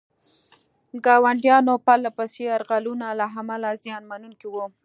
ګاونډیانو پرله پسې یرغلونو له امله زیان منونکي وو.